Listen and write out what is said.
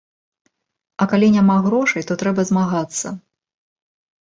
А калі няма грошай, то трэба змагацца.